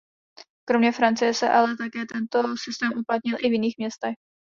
Kromě Francie se ale také tento systém uplatnil i v jiných městech.